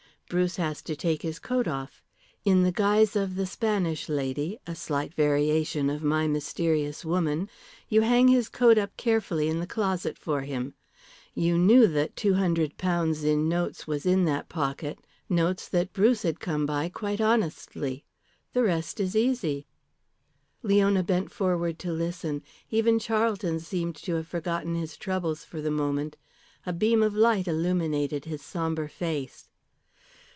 Bruce has to take his coat off. In the guise of the Spanish lady a slight variation of my mysterious woman you hang his coat up carefully in a closet for him. You knew that £200 in notes was in that pocket, notes that Bruce had come by quite honestly. The rest is easy." Leona bent forward to listen. Even Charlton seemed to have forgotten his troubles for the moment. A beam of light illuminated his sombre face.